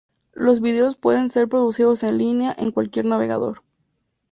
Los vídeos pueden ser reproducidos en línea en cualquier navegador.